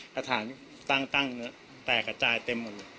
กระถางตั้งเนื้อแตกกระจายเต็มหมดเลย